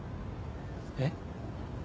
えっ？